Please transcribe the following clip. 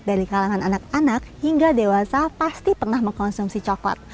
dari kalangan anak anak hingga dewasa pasti pernah mengkonsumsi coklat